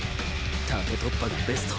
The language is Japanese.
縦突破がベスト。